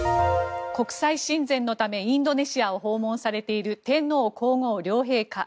国際親善のためインドネシアを訪問されている天皇・皇后両陛下。